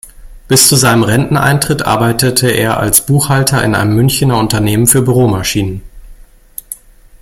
Bis zu seinem Renteneintritt arbeitete er als Buchhalter in einem Münchener Unternehmen für Büromaschinen.